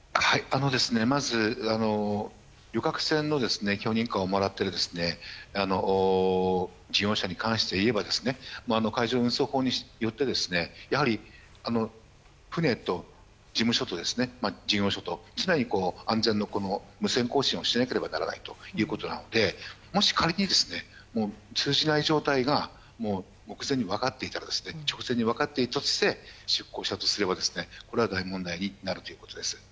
まず旅客船の許認可をもらっている事業者に関していえば海上運送法によって船と事務所と事業者と常に安全の無線交信をしなけらばならないということなのでもし仮に通じない状態が直前に分かっていたとして出航したとすればこれは大問題になるということです。